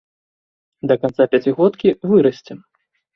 Да канца пяцігодкі вырасцем.